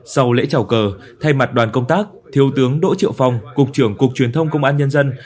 sau lễ trào cờ thay mặt đoàn công tác thiếu tướng đỗ triệu phong cục trưởng cục truyền thông công an nhân dân